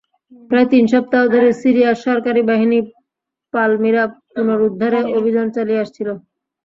প্রায় তিন সপ্তাহ ধরে সিরিয়ার সরকারি বাহিনী পালমিরা পুনরুদ্ধারে অভিযান চালিয়ে আসছিল।